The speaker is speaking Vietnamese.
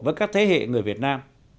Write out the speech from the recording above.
với các thế hệ người việt nam